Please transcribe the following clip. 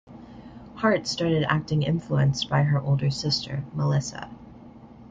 Hart started acting influenced by her older sister Melissa.